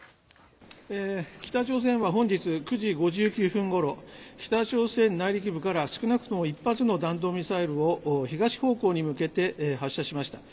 北朝鮮は本日９時５９分ごろ、北朝鮮内陸部から少なくとも１発の弾道ミサイルを東方向に向けて発射しました。